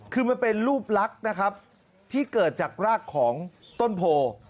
คือมันเป็นรูปลักษณ์นะครับที่เกิดจากรากของต้นโพ